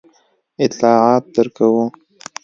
اطلاعات درکوو.